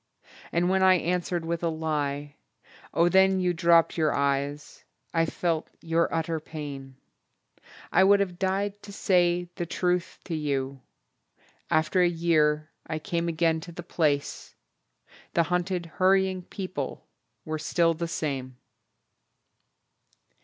And when I answered with a lie. Oh then You dropped your eyes. I felt your utter pain. I would have died to say the truth to you. After a year I came again to the place The hunted hurrying people were still the same....